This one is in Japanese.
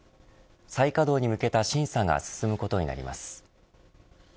再稼働に向けた審査が進むことになります。